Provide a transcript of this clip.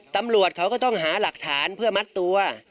ตำรวจเขาก็ต้องหาหลักฐานเพื่อมัดตัว